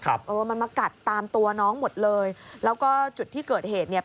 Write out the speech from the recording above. เออมันมากัดตามตัวน้องหมดเลยแล้วก็จุดที่เกิดเหตุเนี่ย